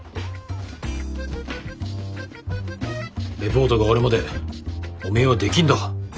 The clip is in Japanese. レポートが終わるまでおめえは出禁だ。